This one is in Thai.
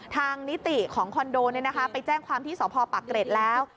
นิติของคอนโดไปแจ้งความที่สพปากเกร็ดแล้ว